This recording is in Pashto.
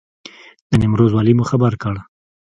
د نیمروز والي مو خبر کړ.